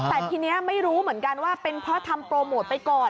แต่ทีนี้ไม่รู้เหมือนกันว่าเป็นเพราะทำโปรโมทไปก่อน